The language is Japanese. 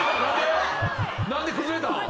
何で崩れたん？